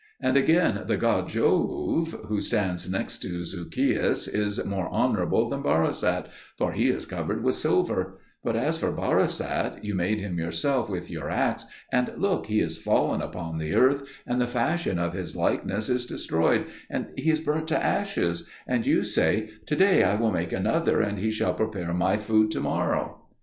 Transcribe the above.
And again the god Joauv, who stands next to Zucheus, is more honourable than Barisat, for he is covered with silver; but as for Barisat, you made him yourself with your axe, and, look, he is fallen upon the earth, and the fashion of his likeness is destroyed, and he is burnt to ashes, and you say, 'To day I will make another, and he shall prepare my food to morrow.'